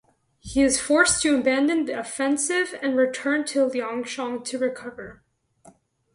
He is forced to abandon the offensive and return to Liangshan to recover.